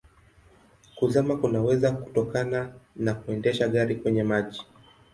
Kuzama kunaweza kutokana na kuendesha gari kwenye maji.